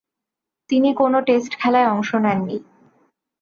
তিনি কোন টেস্ট খেলায় অংশ নেননি।